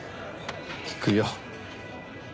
聞くよ。